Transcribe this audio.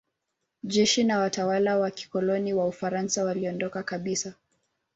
Jeshi na watawala wa kikoloni wa Ufaransa waliondoka kabisa.